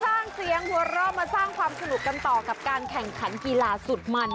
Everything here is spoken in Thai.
สร้างเสียงหัวเราะมาสร้างความสนุกกันต่อกับการแข่งขันกีฬาสุดมัน